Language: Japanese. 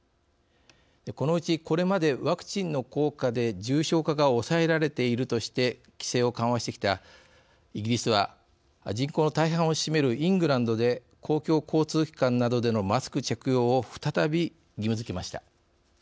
このうちこれまでワクチンの効果で重症化が抑えられているとして規制を緩和してきたイギリスは人口の大半を占めるイングランドで公共交通機関などでのマスク着用を再び義務づけました。